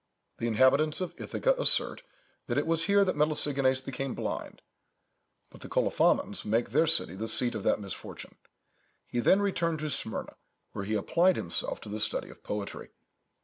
The inhabitants of Ithaca assert, that it was here that Melesigenes became blind, but the Colophomans make their city the seat of that misfortune. He then returned to Smyrna, where he applied himself to the study of poetry.